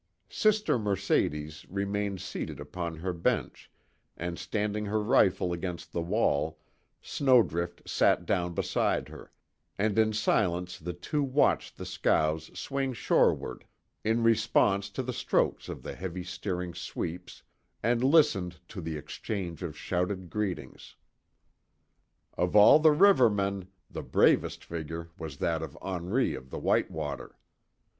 Sister Mercedes remained seated upon her bench and standing her rifle against the wall, Snowdrift sat down beside her, and in silence the two watched the scows swing shoreward in response to the strokes of the heavy steering sweeps, and listened to the exchange of shouted greetings. Of all the rivermen, the bravest figure was that of Henri of the White Water.